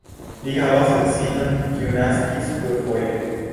Li havas edzinon, kiu naskis plurfoje.